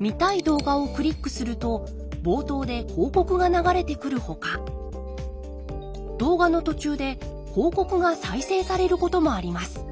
見たい動画をクリックすると冒頭で広告が流れてくるほか動画の途中で広告が再生されることもあります。